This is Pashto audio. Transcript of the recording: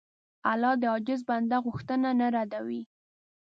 الله د عاجز بنده غوښتنه نه ردوي.